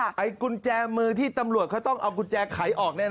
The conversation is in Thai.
ใช้กุญแจมือที่ตำรวจเค้าต้องเอากุญแจขายออกเนี่ยนะ